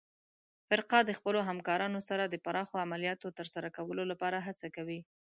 فرقه د خپلو همکارانو سره د پراخو عملیاتو ترسره کولو لپاره هڅه کوي.